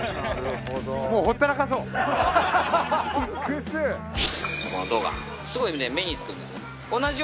もう放ったらかそう。